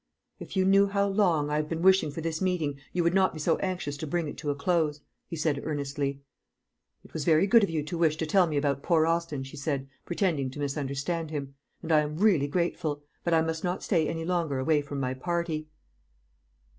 "If you knew how long; I have been wishing for this meeting, you would not be so anxious to bring it to a close," he said earnestly. "It was very good of you to wish to tell me about poor Austin," she said, pretending to misunderstand him, "and I am really grateful. But I must not stay any longer away from my party."